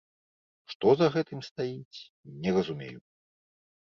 Што за гэтым стаіць, не разумею?